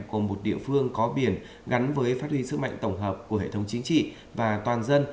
của một địa phương có biển gắn với phát huy sức mạnh tổng hợp của hệ thống chính trị và toàn dân